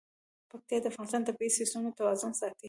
پکتیکا د افغانستان د طبعي سیسټم توازن ساتي.